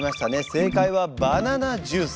正解はバナナジュース。